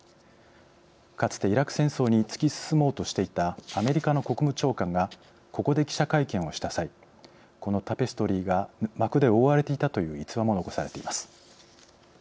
かつてイラク戦争に突き進もうとしていたアメリカの国務長官がここで記者会見をした際このタペストリーが幕で覆われていたという逸話も残されています。